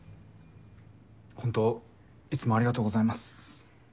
ほんといつもありがとうございます。